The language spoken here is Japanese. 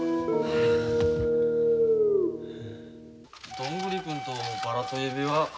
「どんぐり君」と「バラと指輪」